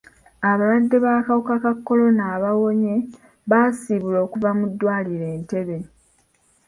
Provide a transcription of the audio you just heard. Abalwadde b'akawuka ka kolona abaawonye baasiibulwa okuva mu ddwaliro Entebbe.